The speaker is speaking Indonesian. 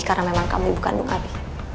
karena memang kamu ibu kandung abi